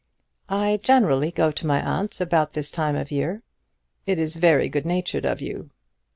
"I generally go to my aunt about this time of the year." "It is very good natured of you."